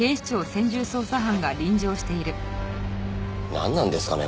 なんなんですかね？